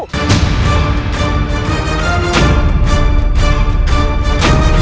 ketika kau mencari perlindungan kepada orang yang telah membunuh habikara